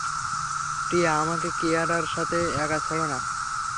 টিয়া, আমাকে কিয়ারার সাথে একা ছেড়ো না।